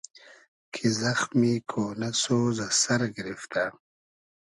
کی زئخمی کۉنۂ سۉز از سئر گیریفتۂ